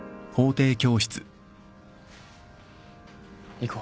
行こう。